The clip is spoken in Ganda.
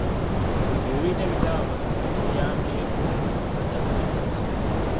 Ebibiina ebitaba abasuubuzi biyambyeko mu kugatta abasuubuzi.